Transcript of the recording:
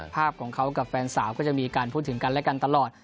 ภาพของเขากับแฟนสาวก็จะมีการพูดถึงกันและกันตลอด